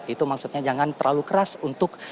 itu maksudnya jangan terlalu keras untuk